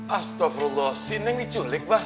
astagfirullah ini yang diculik pak